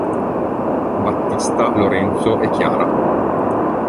Battista, Lorenzo e Chiara".